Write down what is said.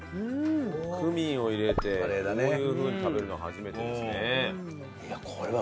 クミンを入れてこういうふうに食べるのは初めてですね。